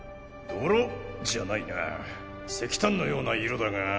泥じゃないな石炭のような色だが。